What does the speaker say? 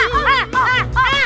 aku celuk banget